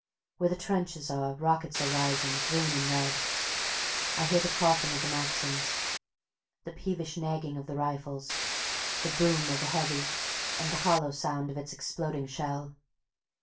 Where the trenches are, rockets are rising, green and red. I hear the coughing of the Maxims, the peevish nagging of the rifles, the boom of a "heavy" and the hollow sound of its exploding shell.